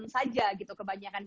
saja gitu kebanyakan